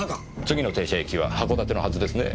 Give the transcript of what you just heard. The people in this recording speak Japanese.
次の停車駅は函館のはずですね。